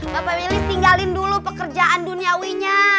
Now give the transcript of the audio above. bapaknya lilis tinggalin dulu pekerjaan duniawinya